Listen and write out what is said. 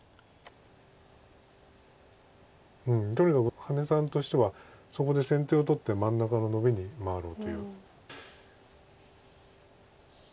とにかく羽根さんとしてはそこで先手を取って真ん中のノビに回ろうという。